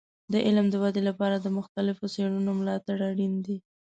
د علم د ودې لپاره د مختلفو څیړنو ملاتړ اړین دی.